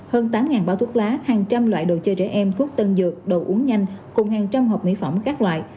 hơn tám bao thuốc lá hàng trăm loại đồ chơi trẻ em thuốc tân dược đồ uống nhanh cùng hàng trăm hộp mỹ phẩm các loại